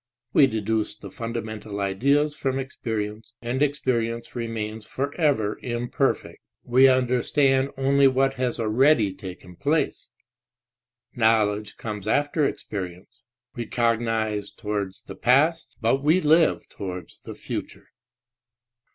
We deduce the fundamental ideas from experience and experience remains forever imperfect. We understand only what has already taken place; knowledge comes after experience. We cognize towards the past but we live towards the future.